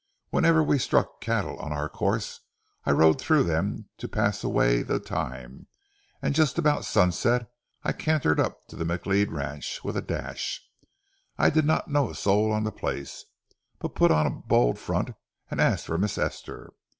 Whenever we struck cattle on our course, I rode through them to pass away the time, and just about sunset I cantered up to the McLeod ranch with a dash. I did not know a soul on the place, but put on a bold front and asked for Miss Esther.